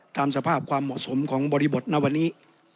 ตามสภาพความเหมาะสมของบริบทณวันนี้